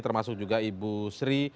termasuk juga ibu sri